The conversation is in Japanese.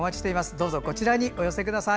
どうぞこちらにお寄せください。